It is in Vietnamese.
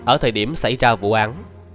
ở thời điểm xảy ra vụ án